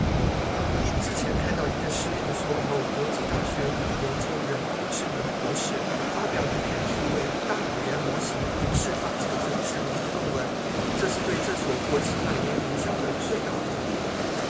之前看到一个视频说某国际大学一个研究人工智能的博士发表了一篇题为:大语言模型会自发产生智能的论文，这是对这所国际百年名校的最大侮辱